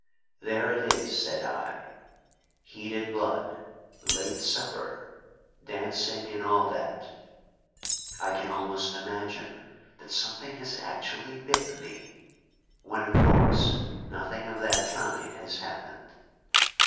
There it is! said I; heated blood, late supper, dancing, and all that. I can almost imagine that something has actually bitten me, when of course nothing of that kind has happened.